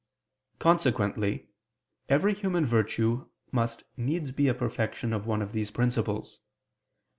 Consequently every human virtue must needs be a perfection of one of these principles.